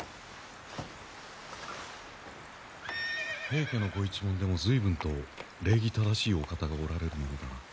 平家のご一門でも随分と礼儀正しいお方がおられるものだな。